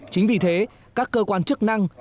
chính vì thế các cơ quan chức năng